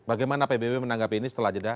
bagaimana pbb menanggapi ini setelah jeda